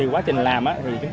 quá trình làm